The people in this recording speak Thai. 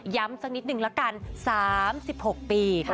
ย้ำสักนิดนึงละกัน๓๖ปีค่ะ